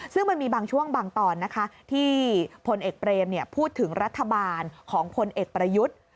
ซึ่งมันมีบางช่วงบางตอนนะคะที่พลเอกเปรมพูดถึงรัฐบาลของพลเอกประยุทธ์